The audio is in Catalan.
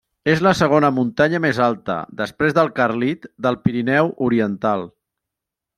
És la segona muntanya més alta, després del Carlit, del Pirineu Oriental.